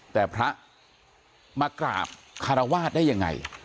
แต่พระมากราบคารวาสได้ยังไง